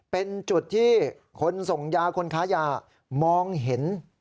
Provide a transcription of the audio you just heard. เป็นจุดที่คนส่งยาคนค้ายามองเห็น